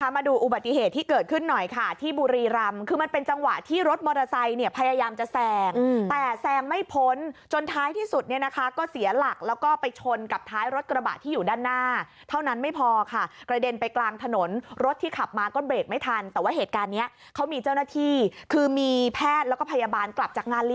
มาดูอุบัติเหตุที่เกิดขึ้นหน่อยค่ะที่บุรีรำคือมันเป็นจังหวะที่รถมอเตอร์ไซค์เนี่ยพยายามจะแซงแต่แซงไม่พ้นจนท้ายที่สุดเนี่ยนะคะก็เสียหลักแล้วก็ไปชนกับท้ายรถกระบะที่อยู่ด้านหน้าเท่านั้นไม่พอค่ะกระเด็นไปกลางถนนรถที่ขับมาก็เบรกไม่ทันแต่ว่าเหตุการณ์เนี้ยเขามีเจ้าหน้าที่คือมีแพทย์แล้วก็พยาบาลกลับจากงานล